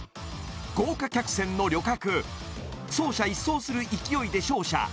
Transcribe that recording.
「豪華客船の旅客」「走者一掃する勢いで勝者」